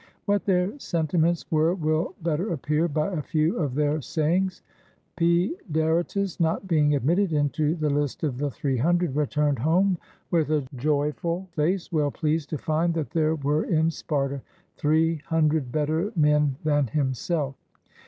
What their sentiments were will better appear by a few of their 52 GREECE sayings. Paedaretus, not being admitted into the list of the three hundred, returned home with a joyful face, well pleased to find that there were in Sparta three hundred better men than himself.